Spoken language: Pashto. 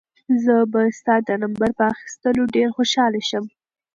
زه به ستا د نمبر په اخیستلو ډېر خوشحاله شم.